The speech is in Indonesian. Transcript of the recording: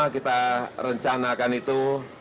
kita rencanakan itu